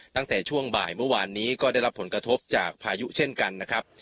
ตั้งแต่ช่วงบ่ายเมื่อวานนี้ก็ได้รับผลกระทบจากพายุเช่นกันนะครับ